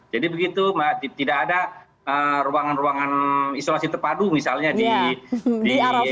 jadi begitu mbak tidak ada ruangan ruangan isolasi terpadu misalnya di arofa